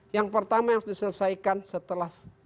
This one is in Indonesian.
yang pertama yang harus diselesaikan setelah